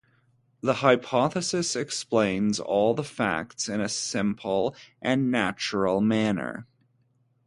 The hypothesis explains all the facts in a simple and natural manner.